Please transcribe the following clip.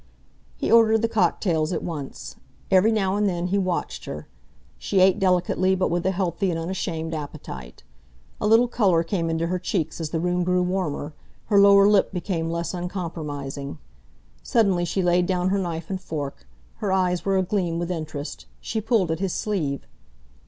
He ordered the cocktails at once. Every now and then he watched her. She ate delicately but with a healthy and unashamed appetite. A little colour came into her cheeks as the room grew warmer, her lower lip became less uncompromising. Suddenly she laid down her knife and fork. Her eyes were agleam with interest. She pulled at his sleeve.